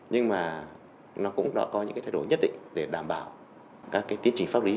nhưng mà nó cũng đã có những thay đổi nhất định để đảm bảo các tiến trình pháp lý